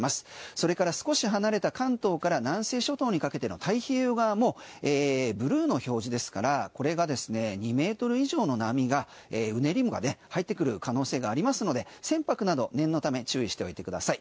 それから少し離れた関東から南西諸島にかけての太平洋側もブルーの表示ですから２ｍ以上の波、うねりが入ってくる可能性がありますので船舶など、念のため注意しておいてください。